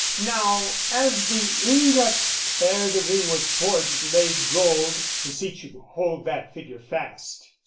Now, as the ingot, ere the ring was forged, Lay gold (beseech you, hold that figure fast!)